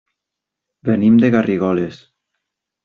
Venim de Garrigoles.